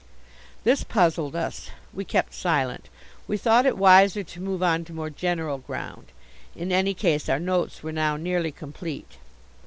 This puzzled us. We kept silent. We thought it wiser to move on to more general ground. In any case, our notes were now nearly complete.